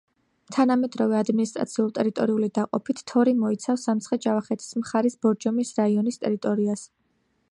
თანამედროვე ადმინისტრაციულ-ტერიტორიული დაყოფით თორი მოიცავს სამცხე-ჯავახეთის მხარის ბორჯომის რაიონის ტერიტორიას.